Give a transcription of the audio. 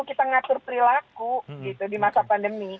kita ngatur perilaku gitu di masa pandemi